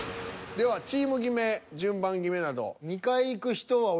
ではチーム決め順番決めなど。